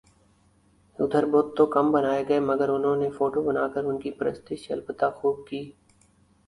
ادھر بت تو کم بنائےگئے مگر انہوں نے فوٹو بنا کر انکی پرستش البتہ خو ب کی